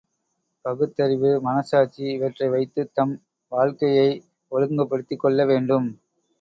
பகுத்தறிவு, மனச்சாட்சி இவற்றை வைத்துத் தம் வாழ்க்கையை ஒழுங்குபடுத்திக் கொள்ளவேண்டும்.